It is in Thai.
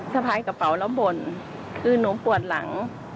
สะพายกระเป๋าแล้วบ่นคือหนูปวดหลัง